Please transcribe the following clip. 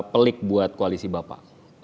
pelik buat koalisi bapak